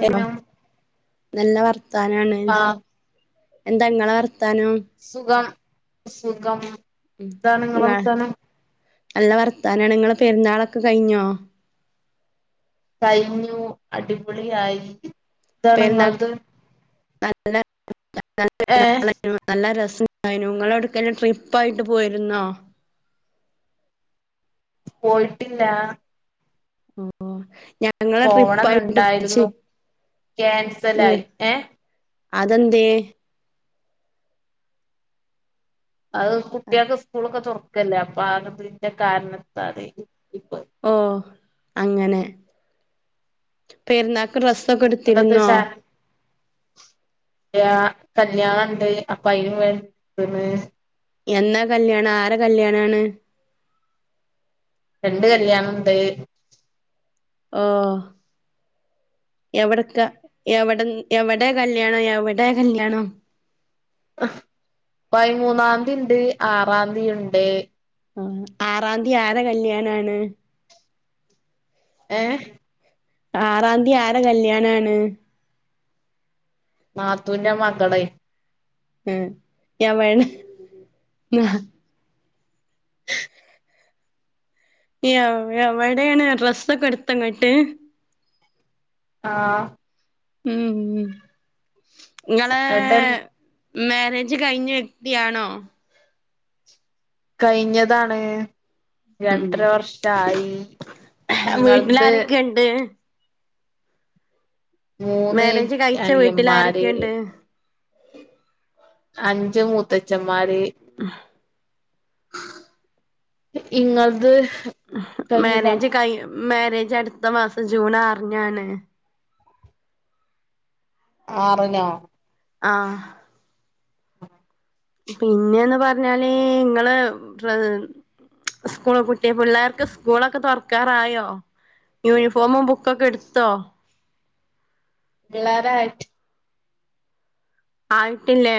കേട്ടോ നല്ല വർത്താനാണ് ആഹ് എന്താ ഇങ്ങളെ വർത്താനം സുഖം സുഖം ഉം എന്താണ് നിങ്ങളെ [unintelligible] വർത്താനം നല്ല വർത്താനണ് ഇങ്ങളെ പെരുന്നാളൊക്കെ കഴിഞ്ഞോ കഴിഞ്ഞു അടിപൊളിയായി എന്താണ് പെരുന്നാക്ക് ഇങ്ങളത് [unintelligible] ഏഹ് നല്ല രസം ഉണ്ടായിനിന്നു ഇങ്ങള് എവ്ട്ക്കേലും ട്രിപ്പ് ആയിട്ട് പോയിരുന്നോ പോയിട്ടില്ല ഒ ഓ [unintelligible] ഞങ്ങള് ട്രിപ്പായിട്ട്ച്ച് പോവണംന്നുണ്ടായിരുന്നു ഉ ക്യാൻസലായി [unintelligible] ഏഹ് അതെന്തേ അത് കുട്ടിയൾക്ക് സ്കൂളൊക്കെ തുറക്കല്ലെ അപ്പ ആ [unintelligible] കാരണത്താല് ഇപ്പൊ ഓഹ് അങ്ങനെ പെരുന്ന- ഡ്രസ്സൊക്കെ ഇട് അത്ട്ത്ത്വച്ച ഇല്യാ കല്ല്യാണണ്ട് അപ്പൊ അയിന് വേണ്ടി ഇടുത്തത് എന്നാ കല്ല്യാണം ആരെ കല്ല്യാണ ആണ് രണ്ട് കല്ല്യാണ ണ്ട് ഓഹ് എവിട്ക്ക എവിടെ കല്ല്യാണം എവിടെ കല്ല്യാണം പൈമൂന്നാംന്തിണ്ട് ആറാംന്തിണ്ട് ആ ആറാംന്തി ആരെ കല്ല്യാണ ആണ് ഏഹ് ആറാന്തി ആരെ കല്ല്യാണാണ് നാത്തൂന്റെ മകളൈ ഉം എവടെ [unintelligible] എവടേണ് ഡ്രസൊക്കെ എടുത്തോ ഇങ്ങട്ട് ആഹ് ഉം ഉം ഇങ്ങളെ ഏട്ടൻ മാര്യേജ് കഴിഞ്ഞ വ്യക്തിയാണോ കഴിഞ്ഞതാണ് ഉം രണ്ടര വർഷായി ഇങ്ങളത് ഏ ഹ് മൂന്ന് മേരേജ് കഴിച്ച വീട്ടിൽ അനിയന്മാര് ആരൊക്കെണ്ട് അഞ്ച് മൂത്തച്ഛമ്മാര് [inaudible] ഇങ്ങള്ത് മേരേജ് കൈ മേരേജ് അട്ത്ത മാസം ജൂൺ ആർനാണ് ആറ്നോ ആഹ് ആ പിന്നെന്ന് പർഞ്ഞാല് ങ്ങള് ഡ്രെ സ്കൂള് പൂട്ടിയ പിള്ളേർക്ക് സ്കൂളൊക്കെ തൊർക്കാറായോ യൂനി ഫോമും ബുക്കൊക്കെ ഇട്ത്തോ പിള്ളേരായി ആയിട്ടില്ലേ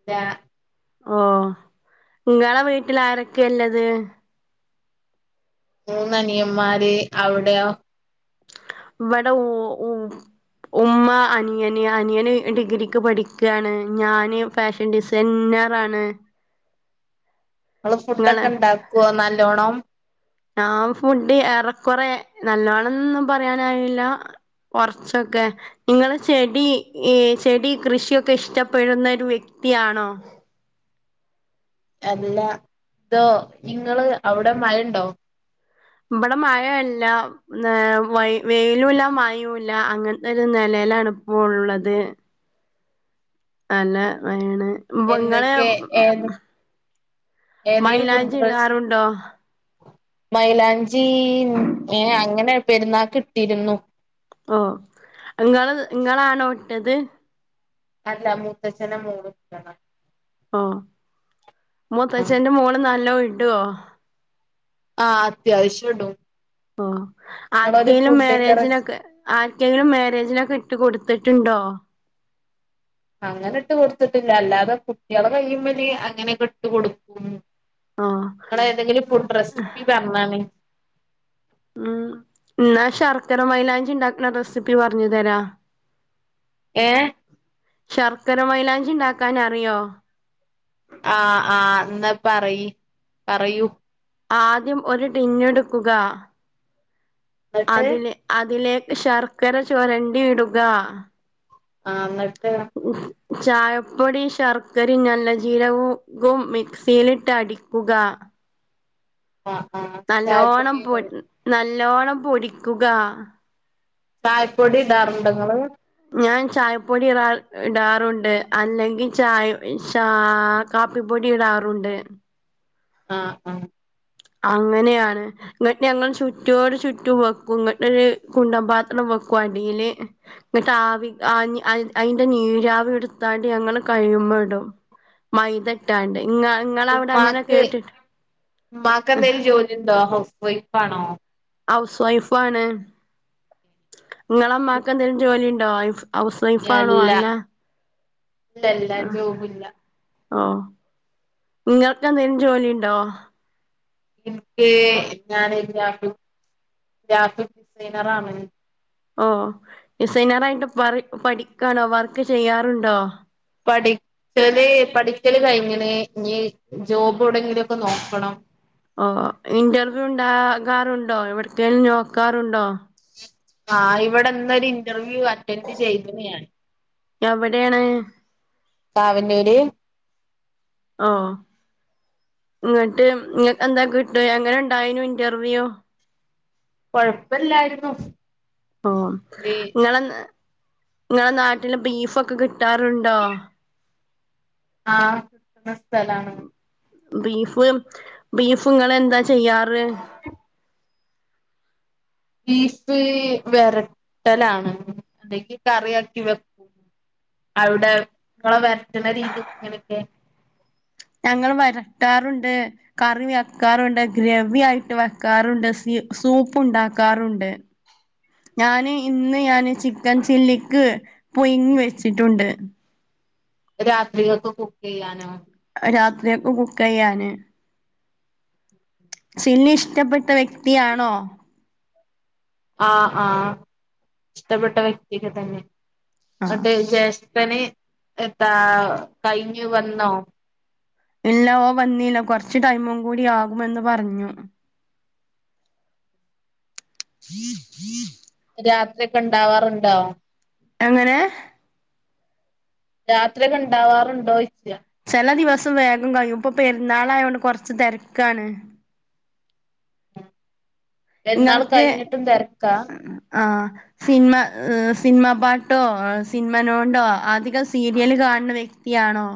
ല്ലാ ഉം ങ്ങള വീട്ടില് ആരെക്കെല്ലത് മൂന്നനിയമ്മാര് അവ്ടെയോ വടെ ഊ ഉം ഉമ്മ അനിയന് അനിയന് ഡിഗ്രിക്ക് പഠിക്കാണ് ഞാന് ഫാഷൻ ഡിസൈന്നറാണ് ങ്ങള് ഫുഡൊക്കെ നിങ്ങള് ഇണ്ടാക്കോ നല്ലോണം ഞാം ഫുഡ് ഏറെക്കൊറെ നല്ലോണംന്നും പറയാനായില്ല കൊർച്ചൊക്കെ ഇങ്ങള് ചെടി ചെടി കൃഷിയൊക്കെ ഇഷ്ടപ്പെടുന്ന ഒരു വ്യക്തിയാണോ അല്ല തോ ഇങ്ങള് അവ്ടെ മഴണ്ടോ ഇബട. മഴ ല്ല ഏ വയി വെയിലു ഇല്ല മയു ഇല്ല അങ്ങൻത്തെ ഒരു നെലെലാണ് ഇപ്പോ ഉള്ളത് നല്ല മയെണ് വ്ങ്ങള് എന്തൊക്കെ ഏത് ഏതെങ്കിലും മൈലാഞ്ചി ഫുഡ് റെസിപ്പി ഇടാറുണ്ടോ മൈലാഞ്ചി ഏ അങ്ങനെ പെരുന്നാക്ക്. ഇട്ടിരുന്നു ഓ ഇങ്ങള് ഇങ്ങളാണോട്ടത് അല്ല മൂത്തച്ചന്റെ മോള് ഇട്ടത ഓ മൂത്തച്ചന്റെ മോള് നല്ലോ ഇടോ ആ അത്യാവശ്യ ഇടും ഓ നിങ്ങളൊരു ആര്ക്കെലും ഫുഡിന്റെ റെസി മേരേജിനൊക്കെ ആര്ക്കെങ്കിലും മേരേജിനോക്കെ ഇട്ട് കൊടുത്തിട്ട്ണ്ടോ അങ്ങനെ ഇട്ട് കൊട്ത്തിട്ടില്ല അല്ലാതെ കുട്ടിയളെ കയ്യ്മ്മല് അങ്ങനൊക്കെ ഇട്ട് കൊടുക്കും ഓ ഇങ്ങള് ഏതെങ്കിലും ഫുഡ് റെസ്പ്പി പർഞ്ഞാണി ഉം ന്നാ ശർക്കര മൈലാഞ്ചി ഇണ്ടാക്ക്ണ റെസിപ്പി പർഞ് തരാ ഏ ശർക്കര മൈലാഞ്ചി ഇണ്ടാക്കാൻ അറിയോ ആ ആ ന്നാ പറയി പറയൂ ആദ്യം ഒരു ട്ടിന്ന്ട്ക്കുക എന്നിട്ട് അതിലെ അതിലേക്ക് ശർക്കര ചുരണ്ടി ഇടുക ആ ന്നട്ട് ചായപ്പൊടി ശർക്കരിം നല്ല ജീരകു കും മിക്സിയിലിട്ട് അടിക്കുക ആ ആ നല്ലോണം പൊ നല്ലോണം പൊടിക്കുക ചായപ്പൊടി ഇടാറുണ്ടോ ഇങ്ങള് ഞാൻ ചായപ്പൊടി ഇട ഇടാറുണ്ട് അല്ലെങ്കി ചായ ചാ കാപ്പി പൊടി ഇടാറുണ്ട് ആ അങ്ങനെയാണ് ന്നട്ട് ഞങ്ങള് ചുറ്റൊട് ചുറ്റും വെക്കും ങ്ങട്ടര് കുണ്ടം പാത്രം വെക്കും അടീല് എന്നിട്ട് ആവി ആ ആ അയിന്റെ നീരാവി എടുത്താട്ട് ഞങ്ങള് കഴിമേടും മൈദ ഇട്ടാണ്ട് ഇങ്ങ ഇങ്ങളെ അവിടെ അങ്ങനെ ഉമ്മാക്ക് കേട്ടിട്ട് ഉമ്മാക്ക് എന്തേലും ജോലി ഉണ്ടോ ഹൗസ് വെഫാണോ ഹൗസ് വൈഫാണ് ഇങ്ങളമ്മാക്ക് എന്തേലും ജോലിണ്ടോ വൈഫ് ഹൗസ് വൈഫ് ആണോ ആന്നാ ലല്ല ജോബ് ഇല്ല ഓഹ് നിങ്ങൾക്ക് എന്തേലും ജോലി ഉണ്ടോ? എനിക്ക് ഞാന് [unintelligible] ഗ്രാഫിക്സ് ഡിസൈനർ ആണ്. ഓഹ് ഡിസൈനർ ആയിട്ട് പ പഠിക്കാണോ, വർക്ക് ചെയ്യാറ് ഉണ്ടോ? പഠിക്കാല് പഠിക്കാല് കഴിഞ്ഞ, ഇനി ജോബ് എവിടെയെങ്കിലും ഒക്കെ നോക്കണം. ഓ ഇന്റർവ്യൂ ഇണ്ടാകാറുണ്ടോ, എവിടേക്കേലും നോക്കാറ് ഉണ്ടോ? ആഹ് ഇവിടെ ഇന്ന് ഒരു ഇന്റർവ്യൂ അറ്റൻഡ് ചെയ്യുകയാണ്. എവിടെയാണ്? [unintelligible] ഓ ഇങ്ങോട്ട് ഇങ്ങൾക്ക് എന്താ കിട്ടിവാ എങ്ങനെ ഇണ്ടായാനൂ ഇന്റർവ്യൂ കൊഴപ്പ്യല്ലായിരുന്നു ഓ ഇങ്ങളെ ന ഇങ്ങളെ നാട്ടില് ബീഫൊക്കെ കിട്ടാറ്ണ്ടോ ആഹ് നിർത്തലാണ് ബീഫ് ബീഫ് ഇങ്ങളന്താ ചെയ്യ്യാറ് ബീഫ് വെരട്ടാലാണ് അല്ലങ്കി കറിയാക്കി വെക്കും അവിടെ ങ്ങളെ വരത്തുന്ന രീതി എങ്ങനൊക്കെ ഞങ്ങൾ വരട്ടാറുണ്ട് കറി വെക്കാറുണ്ട് ഗ്രവി ആയിട്ട് വെക്കാറുണ്ട് സി സൂപ്പ് ഉണ്ടാക്കാറുണ്ട് [inaudible] ഞാന് ഇന്ന് ഞാന് ചിക്കൻ ചില്ലിക്ക് പുയിങ്ങി വെച്ചിട്ടുണ്ട് രാത്രിക്കെക്ക് കുക്ക് ചെയ്യാനോ രാത്രിയൊക് കുക്ക് ചെയ്യാന് ചില്ലി ഇഷ്ടപ്പെട്ട വ്യക്തിയാണോ ആ ആ ഇഷ്ടപ്പെട്ട വ്യക്തിയൊക്കെ തന്നെ ആഹ് ന്നിട്ട് ജെ ട്ടന് എത്താ കഴിഞ്ഞു വന്നോ ഇല്ല ഓൻ വന്നില്ല കുറച് ടൈമും കൂടി ആകുമെന്ന് പറഞ്ഞു [unintelligible] രാത്രി ഒക്കെ ഇണ്ടാവാറുണ്ടോ എങ്ങനെ രാത്രിയൊക്കെ ഇണ്ടാവാറുണ്ടോ ചോയ്ച്ചാ ചെല ദിവസം വേഗം കഴിയും ഇപ്പൊ പെരുന്നാളായതോണ്ട് കൊറച്ച് തിരക്കാണ് പെരുന്നാൾ നിങ്ങൾക്ക് കഴിഞ്ഞിട്ടും തിരക്കാ ആ സിനിമ സിനിമ പാട്ടോ സിനിമനോടോ അധികം സീരിയല് കാണുന്ന വ്യക് ത്തി ആണോ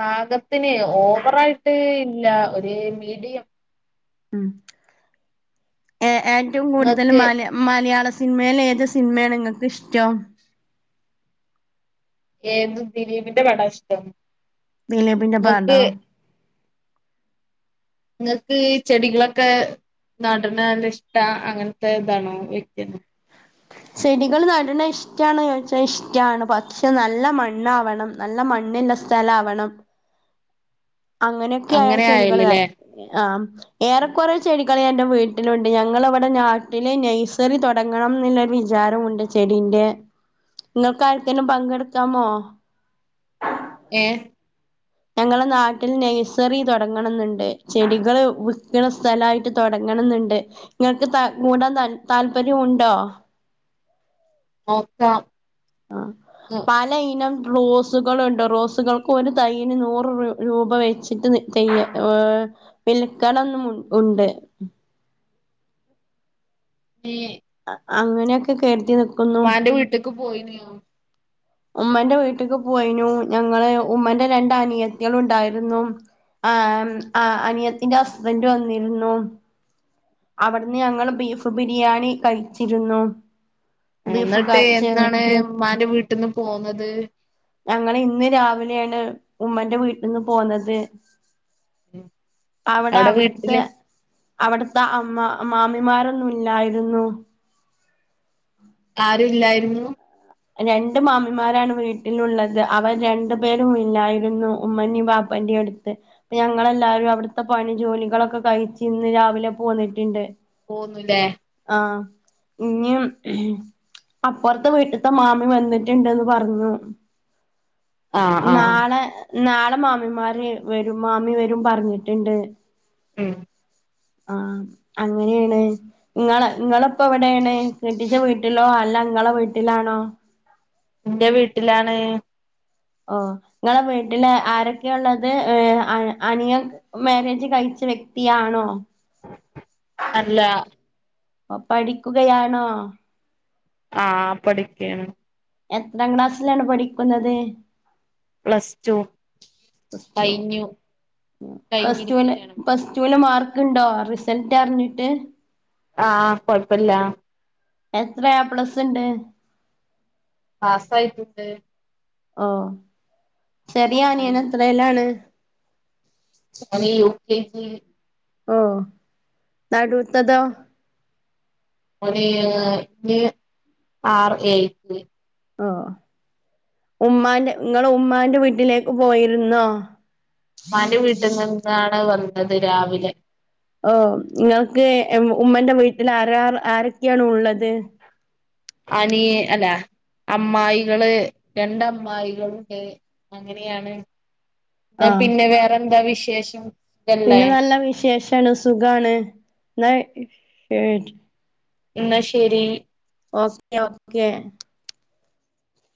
പാകത്തിന് ഓവറായിട്ട് ഇല്ല ഒരു മീഡിയം ഉ ഏ ഏറ്റവും കൂടുതൽ ഇങ്ങക്ക് മല മലയാള സിനിമേൽ ഏത് സിനിമേണ് ങ്ങൾക്ക് ഇഷ്ടം ഏത് ദിലീപിന്റെ പടാ ഇഷ്ടം ദിലീപിന്റെ പടോ ഇങ്ങക്ക് ങ്ങക്ക് ചെടികളൊക്കെ നടണല്ലെ ഇഷ്ട അങ്ങനത്തെ ഇതാണോ വ്യക്തിയാണോ ചെടികൾ നടണ ഇഷ്ടണോ ചോദിച്ചാൽ ഇഷ്ടമാണ് പക്ഷെ നല്ല മണ്ണാവണം നല്ല മണ്ണില്ല സ്ഥലം ആവണം അങ്ങനെയൊക്കെ ആയ അങ്ങനെ ചെടികൾ ആയില്ലല്ലേ ആ ഏറെ കൊറെ ചെടികൾ എന്റെ വീട്ടിലുണ്ട് ഞങ്ങൾ ഇവിടെ നാട്ടിലെ നെയ്സറി തൊ- ടങ്ങണന്നുള്ള വിചാരോണ്ട് ചെടിന്റെ ങ്ങൾക്ക് ആർക്കേങ്കിലും പങ്കെടുക്കാമോ ഏ ഞങ്ങള നാട്ടിൽ നഴ്സറി തുടങ്ങണന്നുണ്ട് ചെടികള് വിക്കണ സ്ഥലയിട്ട് തുടങ്ങണന്നുണ്ട് ങ്ങക്ക് കൂടാൻ ത താല്പര്യം ഉണ്ടോ നോക്കാം അ പല ഇനം റോസ് സുകളുണ്ട്‌ റോസുകൾക്ക് ഒരു തയ്യന് നൂറ് രൂപ വെച്ചിട്ട് ചെയ്യ ഏ വിൽക്കണംന്ന് മു ഉണ്ട് മേ അങ്ങനെയൊക്കെ കെരുതി നി ഉമ്മാന്റെ വീട്ട്ക്ക് പോയിനി ഉമ്മന്റെ വീട്ടിക്ക് പോയിനു ഞങ്ങള് ഉമ്മന്റെ രണ്ട് അനിയത്തികളു ഉണ്ടായിരുന്നു ആ അനിയത്തിന്റെ ഹസ്ബൻഡ് വന്നിരുന്നു അവിടുന്ന് ഞങ്ങള് ബീഫ് ബിരിയാണി കഴിച്ചിരുന്നു ബീഫ് ന്നിട്ട് കഴിച്ച് എന്താണ് ഇമ്മാന്റെ വീട്ടിന്ന് പോന്നത് ഞങ്ങള് ഇന്ന് രാവിലെണ് ഉമ്മന്റെ വീട്ടിന്ന് പോന്നത് അവിടെ അവിടുത്തെ അവിടുത്തെ അമ്മ മാമിമാരൊന്നും ഇല്ലായിരുന്നു ആരുല്ലായിരുന്നു രണ്ട് മാമ്മിമാരാണ് വീട്ടിലുള്ളത് അവർ രണ്ടു പേരും ഇല്ലായിരുന്നു ഉമ്മനിം ബാബു- വണ്ടി എടുത്ത് പ്പ ഞങ്ങളെല്ലാരും അവിടുത്തെ പണി ജോലികളൊക്കെ കഴിച്ച് ഇന്ന് രാവിലെ പോന്നിട്ട്ണ്ട്. പോന്നുല്ലേ. ആഹ് ഇന്നിം അപ്പുറത്തെ വീട്ട്. ത്ത മാമി വന്നിട്ടുണ്ടന്ന് പറഞ്ഞു. ആഹ് ആഹ് നാളെ നാളെ മാമിമാര് വരും മാമി വരും പറഞ്ഞിട്ടുണ്ട്. ഉം ആഹ് അങ്ങനെയാണ് ങ്ങളെ ങ്ങളെ. പ്പം വിടേണ് കെട്ടിച്ച വീട്ടിലോ അല്ല ങ്ങളെ വീട്ടിലാണോ? ന്റെ വീട്ടിലാണ്. ഓഹ് ങ്ങളെ വീട്ടില് ആരൊക്കെയ ഉള്ളത് ഏ അനിയ. മാരേജ് കഴിച്ച വ്യക്തിയാണോ? അല്ല. ഓഹ് പഠിക്കുകയാണോ? ആഹ് പഠിക്കാണ്. എത്രാം ക്ലാസ്സിലാണ് പഠിക്കുന്നത് പ്ലസ് ടു. പ്ലസ് ടു ഓ കഴിഞ്ഞു ഉം പ്ലസ് ടുൽ കഴിഞ്ഞിരിക്കയാണ് പ്ലസ്ടു ൽ മാർക്ക്. ക്ക്ണ്ടോ റിസൾട്ട് അറിഞ്ഞിട്ട്. ആഹ് കൊഴപ്പല്ല. എത്ര എ പ്ലസ് ഉണ്ട്? പാസായ്ട്ട്ണ്ട്. ഓഹ് ചെറിയ അനിയൻ എത്രാല്ലാണ്? അവൻ യു കെ ജി യില് ഓഹ് നടൂത്തതോ? ഓന് ഇനി ആറ് ഏഴിക്ക്. ഓഹ് ഉമ്മാന്റെ ങ്ങള് ഉമ്മാന്റെ വീട്ടിലേക്ക് പോയിരുന്നോ? മ്മാന്റെ വീട്ടിന്ന് ഇന്നാണ് വന്നത് രാവിലെ. ഓഹ് നിങ്ങൾക്ക് ഏ ഉമ്മന്റെ വീട്ടിൽ ആരാ ആരൊക്കെയാണ് ഉള്ളത്? അനിയ അല്ല അമ്മായികള് രണ്ടമ്മായികള്ണ്ട്. അങ്ങനെയാണ് എന്നാ ആഹ് പിന്നെ വേറെ എന്താ വിശേഷം? ഇതല്ലേ പിന്നെ നല്ല വിശേഷാണ് സുഖാണ് ന്നാ. [unintelligible] ഇന്ന ശരി. Okay okay.